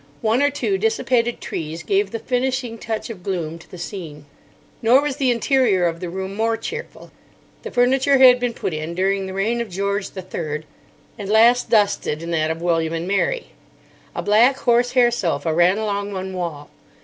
One or two dissipated trees gave the finishing touch of gloom to the scene. Nor was the interior of the room more cheerful. The furniture had been put in during the reign of George III, and last dusted in that of William and Mary. A black horse hair sofa ran along one wall.